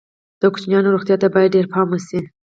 د کوچنیانو روغتیا ته باید ډېر پام وشي.